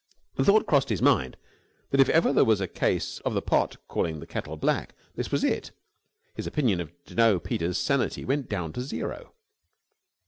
The thought crossed his mind that, if ever there was a case of the pot calling the kettle black, this was it. His opinion of Jno. Peters' sanity went down to zero.